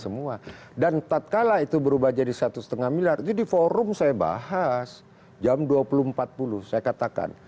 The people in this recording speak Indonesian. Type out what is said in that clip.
semua dan tatkala itu berubah jadi satu setengah miliar jadi forum saya bahas jam dua puluh empat puluh saya katakan